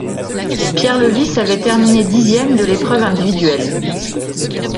Pierre Levisse avait terminé dixième de l'épreuve individuelle.